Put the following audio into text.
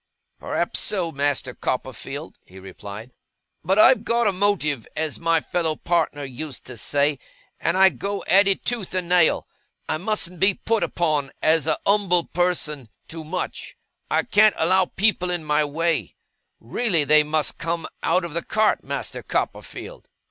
'Perhaps so, Master Copperfield,' he replied. 'But I've got a motive, as my fellow partner used to say; and I go at it tooth and nail. I mustn't be put upon, as a numble person, too much. I can't allow people in my way. Really they must come out of the cart, Master Copperfield!